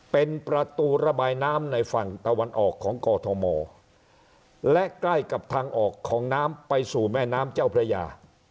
เป็นประตูระบายน้ำในฝั่งตะวันออกของกอทมและใกล้กับทางออกของน้ำไปสู่แม่น้ำเจ้าพระยา